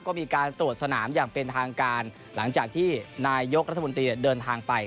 ก็มีการตรวจสนามอย่างเป็นทางการหลังจากที่นายกรัฐมนตรีเดินทางไป